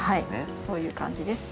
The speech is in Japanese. そういう感じです。